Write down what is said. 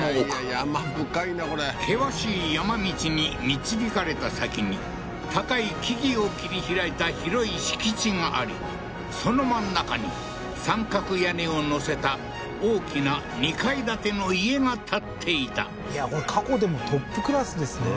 山深いなこれ険しい山道に導かれた先に高い木々を切り開いた広い敷地がありその真ん中に三角屋根を載せた大きな２階建ての家が建っていたいやこれ過去でもトップクラスですね